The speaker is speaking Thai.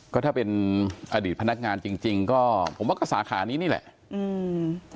ก็ถ้าเป็นอดีตพนักงานจริงจริงก็ผมว่าก็สาขานี้นี่แหละอืม